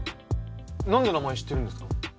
何で名前知ってるんですか？